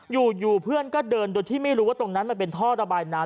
อยู่เพื่อนก็เดินโดยที่ไม่รู้ว่าตรงนั้นมันเป็นท่อระบายน้ำ